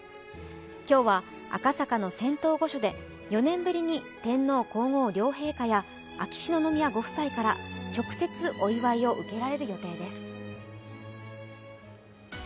今日は赤坂の仙洞御所で４年ぶりに天皇皇后両陛下や秋篠宮ご夫妻から直接お祝いを受けられる予定です。